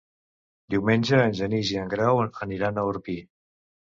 Diumenge en Genís i en Grau aniran a Orpí.